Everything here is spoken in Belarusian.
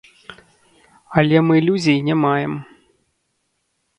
Але мы ілюзій не маем.